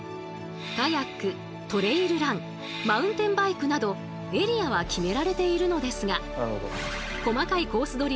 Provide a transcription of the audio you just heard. カヤックトレイルランマウンテンバイクなどエリアは決められているのですがこまかいコース